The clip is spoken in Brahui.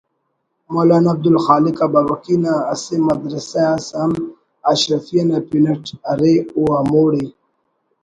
مولانا عبدالخالق ابابکی نا اسہ مدرسہ اس ہم اشرفیہ نا پن اٹ ارے او ہموڑے